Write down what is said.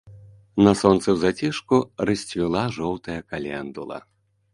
На сонцы ў зацішку расцвіла жоўтая календула.